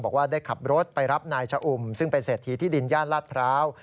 บอกว่าได้ขับรถไปรับนายชะอุ่มซึ่งเป็นเศรษฐีที่ดินย่านลาดพร้าว